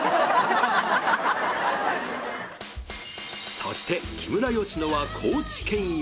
そして木村佳乃は高知県へ。